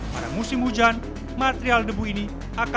pada musim hujan material debu ini akan